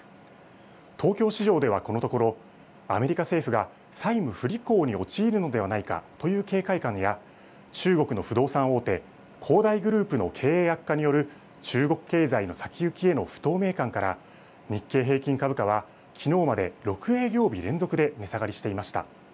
東京市場ではこのところアメリカ政府が債務不履行に陥るのではないかという警戒感や中国の不動産大手、恒大グループの経営悪化による中国経済の先行きへの不透明感から日経平均株価はきのうまで６営業日連続で値下がりしていました。